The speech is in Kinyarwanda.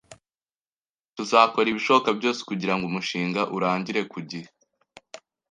Tuzakora ibishoboka byose kugirango umushinga urangire ku gihe